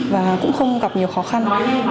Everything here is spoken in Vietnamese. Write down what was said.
và cũng không gặp nhiều khó khăn